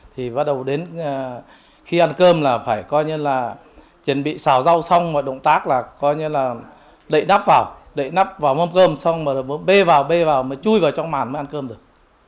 thì bắt đầu đến khi ăn cơm là phải coi như là chuẩn bị xào rau xong mọi động tác là coi như là đậy đắp vào đậy nắp vào mâm cơm xong mà b vào bê vào mà chui vào trong màn mới ăn cơm được